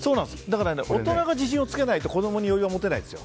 大人が自信をつけないと子供に余裕は持てないですよ。